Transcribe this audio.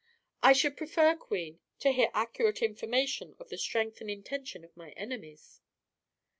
"I should prefer, queen, to hear accurate information of the strength and intention of my enemies."